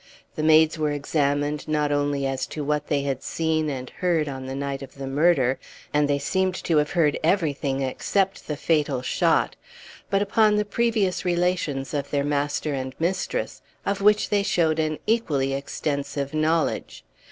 The maids were examined not only as to what they had seen and heard on the night of the murder and they seemed to have heard everything except the fatal shot but upon the previous relations of their master and mistress of which they showed an equally extensive knowledge.